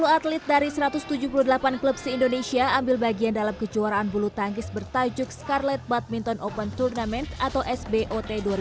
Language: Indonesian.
sepuluh atlet dari satu ratus tujuh puluh delapan klub se indonesia ambil bagian dalam kejuaraan bulu tangkis bertajuk scarled badminton open tournament atau sbot dua ribu dua puluh